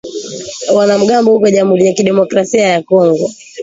wanamgambo huko jamhuri ya kidemokrasia ya Kongo